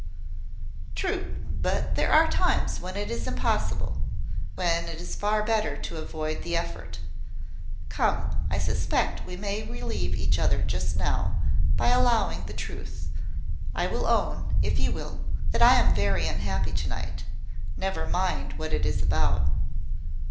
"True: but there are times when that is impossible when it is far better to avoid the effort. Come I suspect we may relieve each other just now, by allowing the truth. I will own, if you will, that I am very unhappy to night. Never mind what it is about."